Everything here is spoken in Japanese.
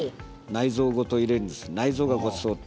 内臓ごと入れるんです。